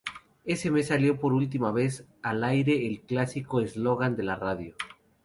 Ese mes salió por última vez al aire el clásico eslogan de la radio.